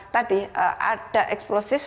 tadi ada eksplosif